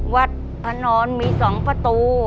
วัดพนมี๒ประตู